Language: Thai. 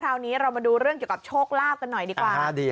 คราวนี้เรามาดูเรื่องเกี่ยวกับโชคลาภกันหน่อยดีกว่า